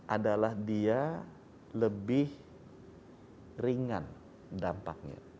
adalah dia lebih ringan dampaknya